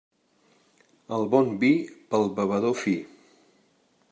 El bon vi, pel bevedor fi.